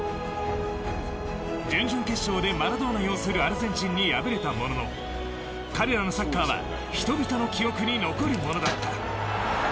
準々決勝でマラドーナ擁するアルゼンチンに敗れたものの彼らのサッカーは人々の記憶に残るものだった。